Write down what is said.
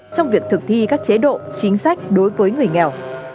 trong việc thực thi các chế độ chính sách đối với người nghèo